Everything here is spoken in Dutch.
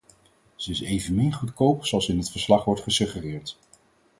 Ze is evenmin goedkoop, zoals in het verslag wordt gesuggereerd.